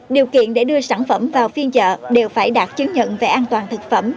điều kiện để đưa sản phẩm vào phiên chợ đều phải đạt chứng nhận về an toàn thực phẩm